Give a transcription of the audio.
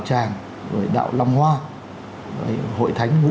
tràng rồi đạo long hoa rồi hội thánh vũ